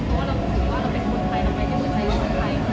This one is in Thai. เพราะว่าเราเป็นคนไทยเราไม่ได้หัวใจรู้สึกไทย